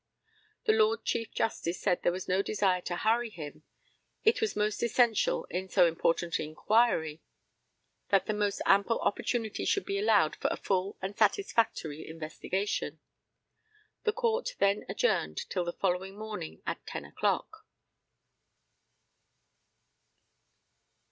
The LORD CHIEF JUSTICE said there was no desire to hurry him. It was most essential in so important an inquiry that the most ample opportunity should be allowed for a full and satisfactory investigation. The Court then adjourned till the following morning, at 10 o'clock.